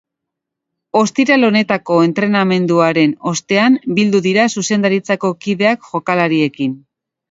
Ostiral honetako entrenamenduaren ostean bildu dira zuzendaritzako kideak jokalariekin.